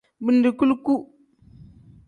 Bindi kuluku.